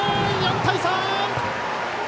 ４対３！